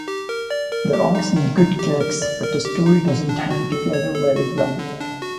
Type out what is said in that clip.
There are some good gags, but the story doesn't hang together very well.